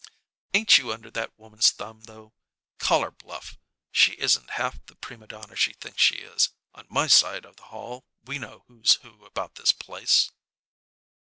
"Ain't you under that woman's thumb, though! Call her bluff. She isn't half the prima donna she thinks she is. On my side of the hall we know who's who about this place."